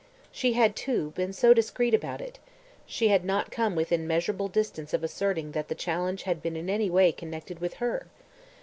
She had, too, been so discreet about it; she had not come within measurable distance of asserting that the challenge had been in any way connected with her.